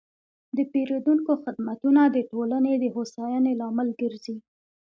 د پیرودونکو خدمتونه د ټولنې د هوساینې لامل ګرځي.